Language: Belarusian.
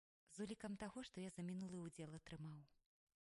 З улікам таго, што я за мінулы ўдзел атрымаў.